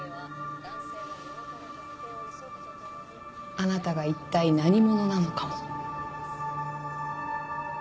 あなたがいったい何者なのかも。